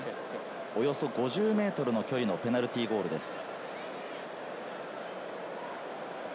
およそ５０ｍの距離のペナルティーゴールです。